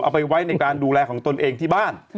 เอาไปไว้ในการดูแลของตนเองที่บ้าน